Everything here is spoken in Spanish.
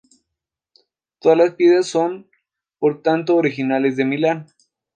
Todas las piezas son, por tanto, originales de Milán.